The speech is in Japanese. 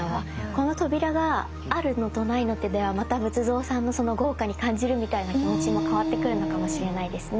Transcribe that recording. この扉があるのとないのとではまた仏像さんの豪華に感じるみたいな気持ちも変わってくるのかもしれないですね。